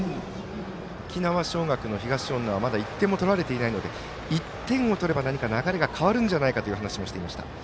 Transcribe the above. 沖縄尚学の東恩納はまだ１点も取られていないので１点を取れば何か流れが変わるんじゃないかという話もしていました。